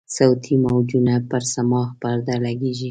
صوتي موجونه پر صماخ پرده لګیږي.